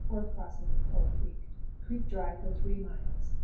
Fourth Crossing of Pole Creek. Creek dry for three miles.